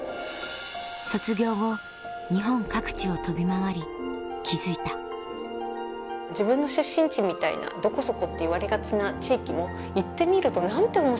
卒業後日本各地を飛び回り気付いた自分の出身地みたいな「どこ？そこ」って言われがちな地域も。